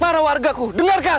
para warga ku dengarkan